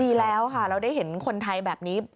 ดีแล้วค่ะเราได้เห็นคนไทยแบบนี้